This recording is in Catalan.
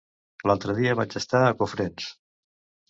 L'altre dia vaig estar a Cofrents.